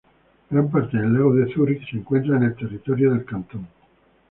Gran parte del lago de Zúrich se encuentra en el territorio del cantón.